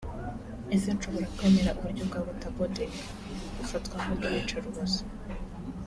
ese nshobora kwemera uburyo bwa waterboardging (bufatwa nk’ubw’iyicarubozo)